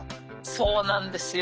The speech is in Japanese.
そうなんですよ。